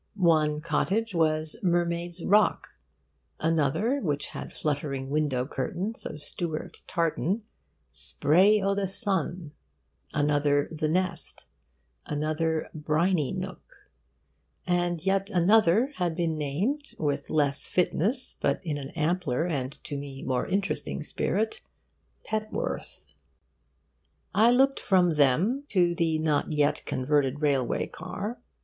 One cottage was Mermaid's Rock; another (which had fluttering window curtains of Stuart tartan), Spray o' the Sea; another, The Nest; another, Brinynook; and yet another had been named, with less fitness, but in an ampler and to me more interesting spirit, Petworth. I looked from them to the not yet converted railway car.